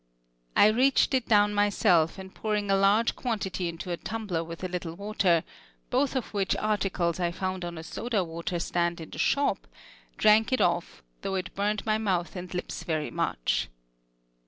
I reached it down myself, and pouring a large quantity into a tumbler with a little water, both of which articles I found on a soda water stand in the shop, drank it off, though it burnt my mouth and lips very much.